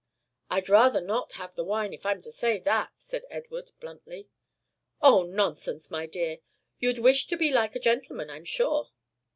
"I'd rather not have the wine if I'm to say that," said Edward, bluntly. "Oh, nonsense! my dear. You'd wish to be like a gentleman, I'm sure."